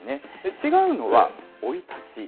違うのは生い立ち。